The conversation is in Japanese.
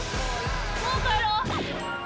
もう帰ろう。